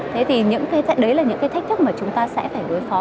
thế thì đấy là những cái thách thức mà chúng ta sẽ phải đối phó